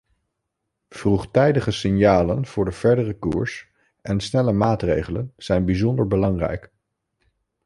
Vroegtijdige signalen voor de verdere koers en snelle maatregelen zijn bijzonder belangrijk.